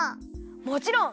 もちろん！